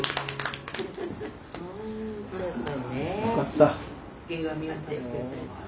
よかった。